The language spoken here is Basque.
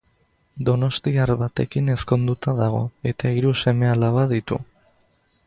Donostiar batekin ezkonduta dago eta hiru seme-alaba ditu.